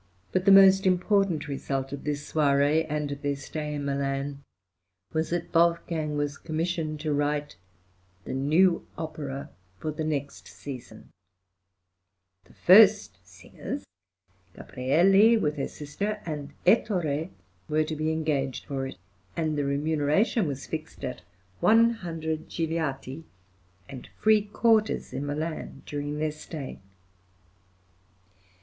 But the most important result of this soirée, and of their stay in Milan, was that Wolfgang was commissioned to write the new opera for the next season; the first singers Gabrielli, with her sister and Ettore were to be engaged for it, and the remuneration was fixed at 100 gigliati and free quarters in Milan during their stay.